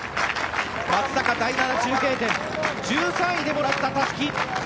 松阪第７中継点１３位でもらったたすき。